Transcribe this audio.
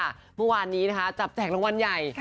ที่มั่วอันนี้จะแจกรางวัลใหญ่